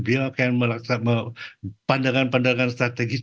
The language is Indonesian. dia akan melaksanakan pandangan pandangan strategis